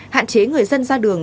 hạn chế người dân ra đường